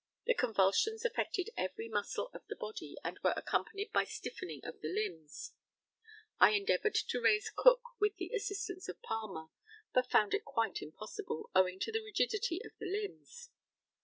The convulsions affected every muscle of the body, and were accompanied by stiffening of the limbs. I endeavoured to raise Cook with the assistance of Palmer, but found it quite impossible, owing to the rigidity of the limbs.